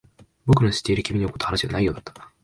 僕の知っている君に起こった話ではないようだった。